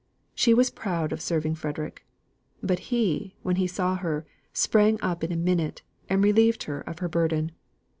She was proud of serving Frederick. But he, when he saw her, sprang up in a minute, and relieved her of her burden.